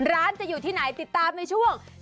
ร้านจะอยู่ที่ไหนติดตามในช่วง